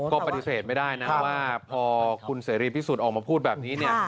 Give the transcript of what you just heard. ก็ปฏิเสธไม่ได้นะว่าพอคุณเสรีพิสุทธิ์ออกมาพูดแบบนี้เนี่ย